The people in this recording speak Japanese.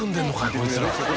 こいつら。